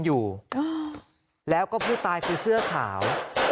อยู่แล้วก็ผู้ตายคือเสื้อขาว